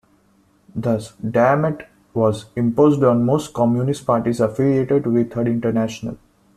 Thus, "diamat" was imposed on most Communist parties affiliated to the Third International.